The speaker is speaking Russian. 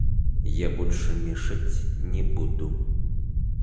Я больше мешать не буду.